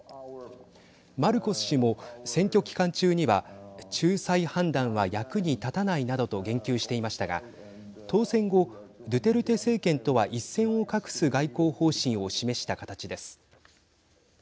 マルコス氏も選挙期間中には仲裁判断は役に立たないなどと言及していましたが当選後、ドゥテルテ政権とは一線を画す外交方針を示した形です。